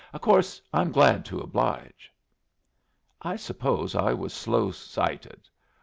"Of course, I'm glad to oblige." I suppose I was slow sighted.